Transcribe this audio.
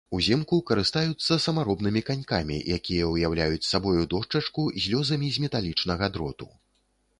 Узімку карыстаюцца самаробнымі канькамі, якія ўяўляюць сабою дошчачку з лёзамі з металічнага дроту.